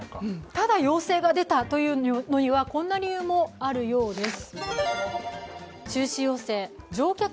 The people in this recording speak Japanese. ただ、要請が出たというのはこんな理由があるようです。